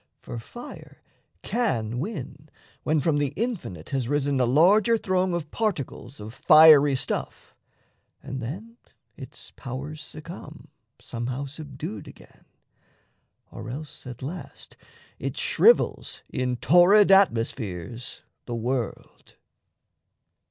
For fire can win when from the infinite Has risen a larger throng of particles Of fiery stuff; and then its powers succumb, Somehow subdued again, or else at last It shrivels in torrid atmospheres the world.